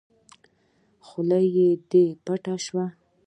خوله دې پټّ شه!